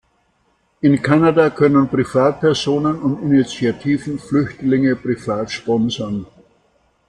In Kanada können Privatpersonen und Initiativen Flüchtlinge privat sponsern.